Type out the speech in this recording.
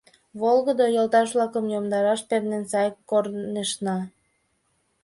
Волгыдо Йолташ-влакым Йомдараш пернен сар корнешна…